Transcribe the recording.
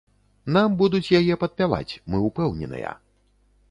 Нам будуць яе падпяваць, мы упэўненыя.